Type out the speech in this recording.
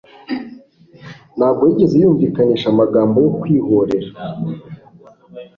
ntabwo yigeze yumvikanisha amagambo yo kwihorera.